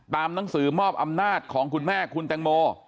หนังสือมอบอำนาจของคุณแม่คุณแตงโม